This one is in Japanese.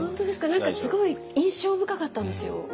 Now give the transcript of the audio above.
何かすごい印象深かったんですよ。